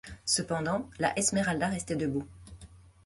Cependant la Esmeralda restait debout.